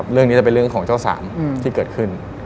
เรื่องนี้จะเป็นเรื่องของเจ้าสามที่เกิดขึ้น